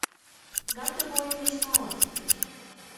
Gatavojamies nolaisties.